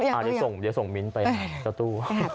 อันนี้เดี๋ยวส่งมิ้นไปเจ้าตู้